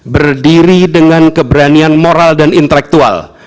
berdiri dengan keberanian moral dan intelektual